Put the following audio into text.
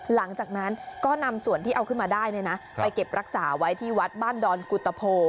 หลังจากนั้นก็นำส่วนที่เอาขึ้นมาได้ไปเก็บรักษาไว้ที่วัดบ้านดอนกุตโพ